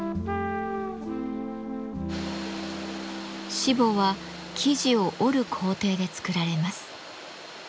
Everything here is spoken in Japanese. しぼは生地を織る工程で作られます。